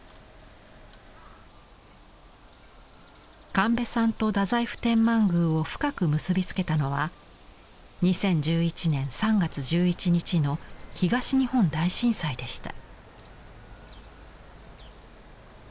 神戸さんと太宰府天満宮を深く結び付けたのは２０１１年３月１１日の東日本大震災でした。